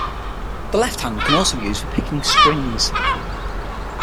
The left hand can also be used for picking strings.